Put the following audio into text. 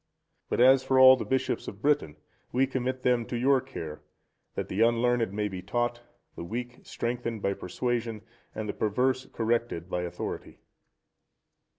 (129) But as for all the bishops of Britain, we commit them to your care, that the unlearned may be taught, the weak strengthened by persuasion, and the perverse corrected by authority.